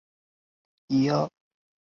菲腊斯娶茱莉。